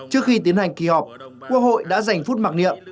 trước khi tiến hành kỳ họp quốc hội đã dành phút mặc niệm